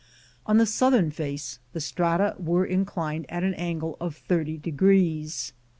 On the southern face the strata were inclined at an angle of thirty degrees.